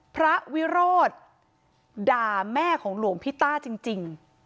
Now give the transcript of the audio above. พระวิโรธด่าแม่ของหลวงพี่ต้าจริง